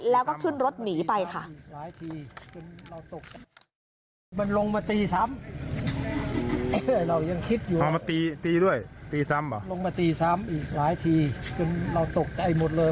แล้วก็ขึ้นรถหนีไปค่ะ